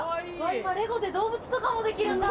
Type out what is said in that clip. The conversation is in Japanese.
今レゴで動物とかもできるんだ！